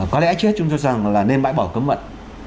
có lẽ chúng tôi rằng là nên bãi bỏ cấm vận